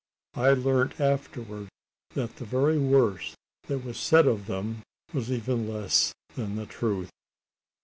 I learnt afterwards that the very worst that was said of them was even less than the truth."